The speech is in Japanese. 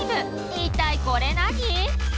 一体これ何？